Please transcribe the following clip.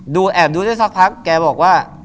แอบดูได้สักพักแกบอกว่า